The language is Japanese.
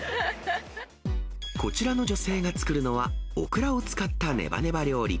こちらの女性が作るのは、オクラを使ったねばねば料理。